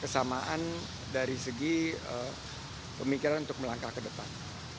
kesamaan dari segi pemikiran untuk melangkah ke depan